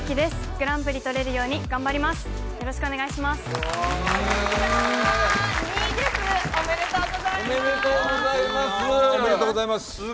グランプリ取れるよう頑張ります。